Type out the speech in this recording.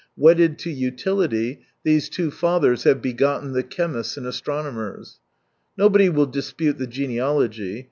Wedded to utility these two fathers have begotten the chemists and astronomers. ... Nobody will dispute the genealogy.